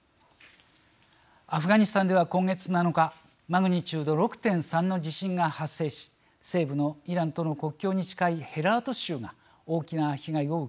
アフガニスタンでは今月７日マグニチュード６．３の地震が発生し西部のイランとの国境に近いヘラート州が大きな被害を受けました。